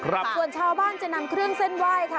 ส่วนชาวบ้านจะนำเครื่องเส้นไหว้ค่ะ